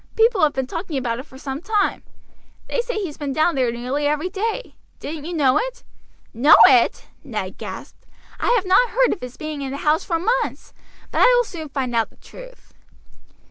People have been talking about it for some time. They say he's been down there nearly every day. Didn't you know it?" "Know it?" Ned gasped. "I have not heard of his being in the house for months, but I will soon find out the truth."